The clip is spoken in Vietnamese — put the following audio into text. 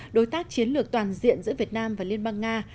đối tác chiến lược toàn diện giữa việt nam và liên bang nga